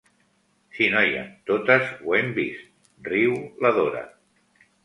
Sí noia, totes ho hem vist —riu la Dora.